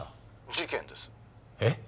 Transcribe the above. ☎事件ですえっ？